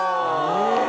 え！